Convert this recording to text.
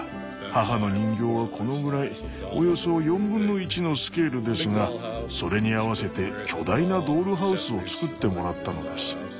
母の人形はこのぐらいおよそ1/4のスケールですがそれに合わせて巨大なドールハウスを作ってもらったのです。